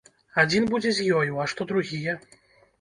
Адзін будзе з ёю, а што другія?